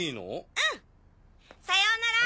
うん！さようなら。